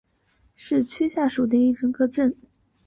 石板滩镇是湖南常德市鼎城区下属的一个镇。